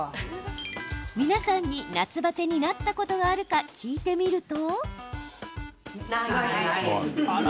皆さんに夏バテになったことがあるか聞いてみると。